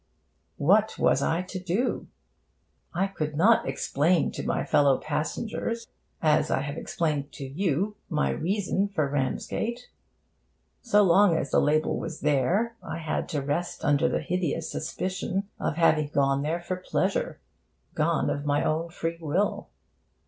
What was I to do? I could not explain to my fellow passengers, as I have explained to you, my reason for Ramsgate. So long as the label was there, I had to rest under the hideous suspicion of having gone there for pleasure, gone of my own free will.